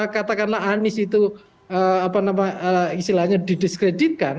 katakanlah anies itu apa namanya istilahnya didiskreditkan